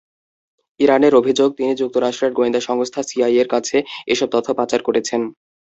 ইরানের অভিযোগ, তিনি যুক্তরাষ্ট্রের গোয়েন্দা সংস্থা সিআইএর কাছে এসব তথ্য পাচার করেছেন।